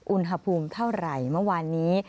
อุณหภูมิเท่าไหร่เมื่อวานนี้